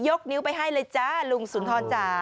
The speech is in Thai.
นิ้วไปให้เลยจ้าลุงสุนทรจ๋า